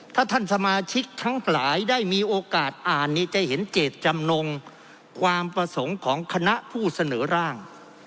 ถ้าท่านสมาชิกทั้งหลายได้มีโอกาสอ่านจะเห็นเจตจำนงความประสงค์ของคณะผู้เสนอร่าง